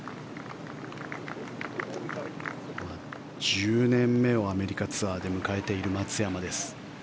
１０年目をアメリカツアーで迎えている松山です。